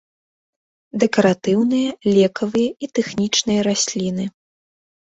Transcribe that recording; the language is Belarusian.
Дэкаратыўныя, лекавыя і тэхнічныя расліны.